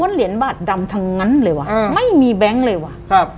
เหรียญบาทดำทั้งนั้นเลยว่ะไม่มีแบงค์เลยว่ะครับ